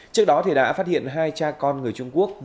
trước đó đã phát hiện hai cha con người trung quốc